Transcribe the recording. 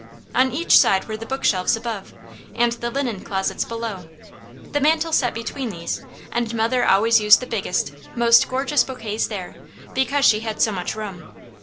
On each side were the book shelves above, and the linen closets below. The mantel set between these, and mother always used the biggest, most gorgeous bouquets there, because she had so much room.